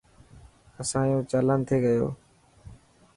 اسانيو چالان ٿي گيو.